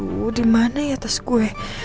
aduh dimana ya tas gue